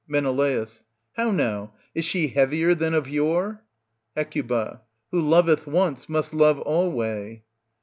Men. How now? is she heavier than of yore? Hec. Who loveth once, must love alway.